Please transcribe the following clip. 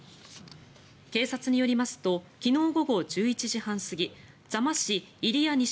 警察によりますと昨日午後１１時半過ぎ座間市入谷